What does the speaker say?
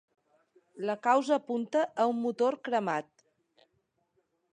La causa apunta a un motor cremat.